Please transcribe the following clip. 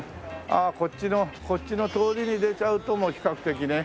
ああこっちのこっちの通りに出ちゃうともう比較的ね。